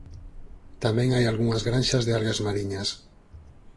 Tamén hai algunhas granxas de algas mariñas.